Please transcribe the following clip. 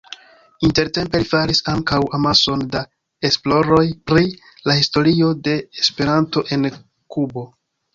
Intertempe li faris ankaŭ amason da esploroj pri la historio de Esperanto en Kubo.